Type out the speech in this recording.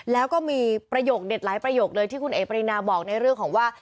แล้วก็มีประโยคเด็ดหลายประโยคเลยที่คุณเอ๋ปรินาบอกในเรื่องของว่า